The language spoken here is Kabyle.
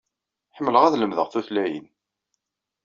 Ḥemmleɣ ad lemdeɣ tutlayin.